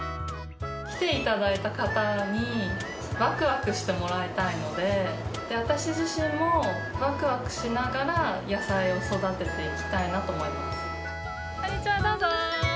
来ていただいた方に、わくわくしてもらいたいので、私自身もわくわくしながら野菜を育てていきたいなと思います。